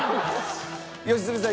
良純さん